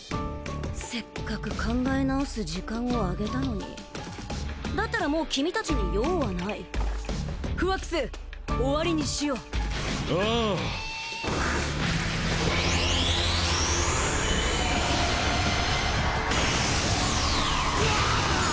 せっかく考え直す時間をあげたのにだったらもうキミたちに用はないフワックス終わりにしようああうわああああ！